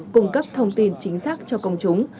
cung cấp thông tin chính xác cho công chúng